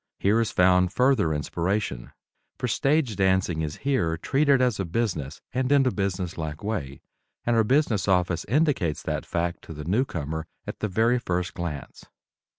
Here is found further inspiration, for stage dancing is here treated as a business and in a business like way, and our business office indicates that fact to the newcomer at the very first glance.